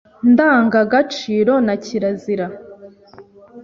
ndangagaciro na kirazira;